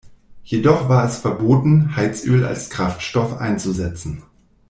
Jedoch war es verboten, Heizöl als Kraftstoff einzusetzen.